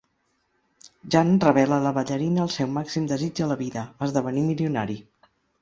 Jan revela a la ballarina el seu màxim desig a la vida: esdevenir milionari.